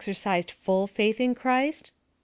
rcjsed full faith in Christ ?